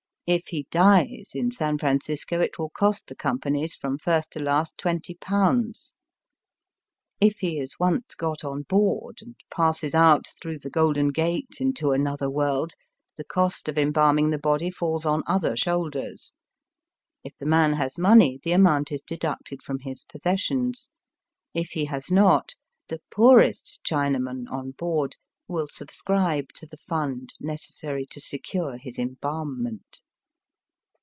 If he dies in San Francisco it will cost the companies from first to last JE20. If he is once got on board and passes out through the Golden Gate into another world, the cost of embalming the body falls on other shoulders. If the man has money the amount is deducted from his possessions. If he has not, the poorest Chinaman on board will subscribe to the frind necessary to secure his embalmment.